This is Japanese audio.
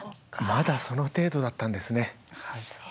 まだその程度だったんですね。